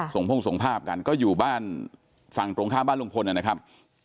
ส่งพ่งส่งภาพกันก็อยู่บ้านฝั่งตรงข้ามบ้านลุงพลนะครับ